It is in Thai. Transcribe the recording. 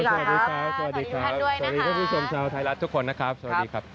สวัสดีครับพี่สมชาวไทยรัฐทุกคนนะครับสวัสดีครับ